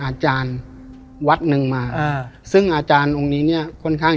อาจารย์วัดหนึ่งมาอ่าซึ่งอาจารย์องค์นี้เนี้ยค่อนข้าง